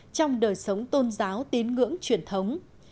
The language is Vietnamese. trong đời sống tôn giáo tín ngưỡng truyền thống